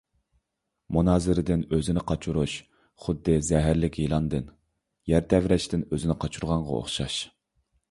مۇنازىرىدىن ئۆزىنى قاچۇرۇش خۇددى زەھەرلىك يىلاندىن، يەر تەۋرەشتىن ئۆزىنى قاچۇرغانغا ئوخشاش.